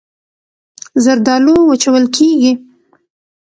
زردالو وچول کېږي.